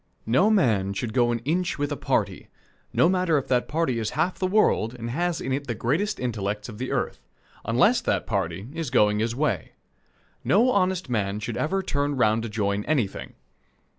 No man should go an inch with a party no matter if that party is half the world and has in it the greatest intellects of the earth unless that party is going his way. No honest man should ever turn round to join anything.